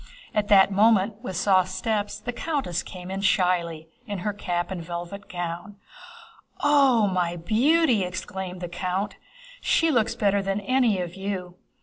At that moment, with soft steps, the countess came in shyly, in her cap and velvet gown. "Oo oo, my beauty!" exclaimed the count, "she looks better than any of you!"